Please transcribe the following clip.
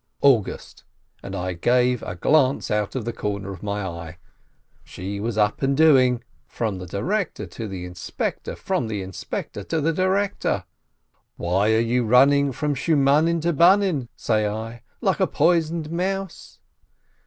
August — and I gave a glance out of the corner of my eye. She was up and doing ! From the director to the inspector, from the inspector to the director ! "Why are you running from Shmunin to Bunin," say I, "like a poisoned mouse